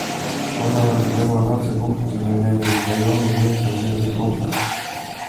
Tol ajal, kui tema lapsepuhkusele jäi, ei olnud meestel see veel kombeks.